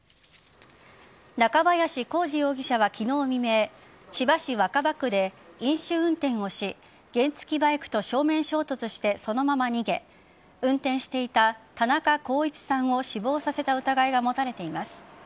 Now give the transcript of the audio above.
中林航治容疑者は昨日未明千葉市若葉区で飲酒運転をし原付バイクと正面衝突してそのまま逃げ運転していた田中幸一さんを死亡させた疑いが持たれています。